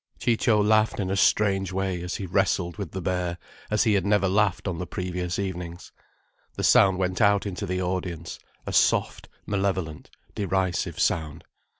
Ciccio laughed in a strange way, as he wrestled with the bear, as he had never laughed on the previous evenings. The sound went out into the audience, a soft, malevolent, derisive sound.